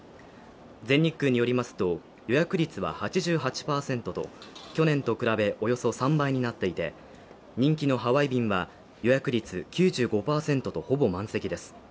全日空によりますと、予約率は８８％と去年と比べおよそ３倍になっていて、人気のハワイ便は予約率９５％とほぼ満席です。